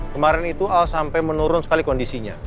kemarin itu sampai menurun sekali kondisinya